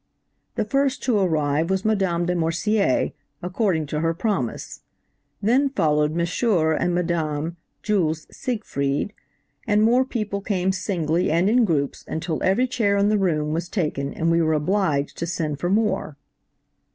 "The first to arrive was Madame de Morsier, according to her promise; then followed M. and Madame Jules Siegfried, and more people came singly and in groups until every chair in the room was taken and we were obliged to send for more.